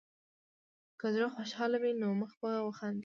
که زړه خوشحال وي، نو مخ به وخاندي.